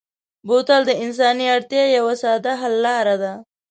بوتل د انساني اړتیا یوه ساده حل لاره ده.